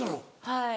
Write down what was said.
はい。